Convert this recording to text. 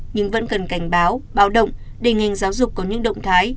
nhưng vẫn cần cảnh báo bạo động để ngành giáo dục có những động thái